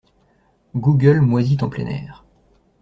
Google moisit en plein air.